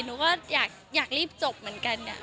หนูก็อยากรีบจบเหมือนกัน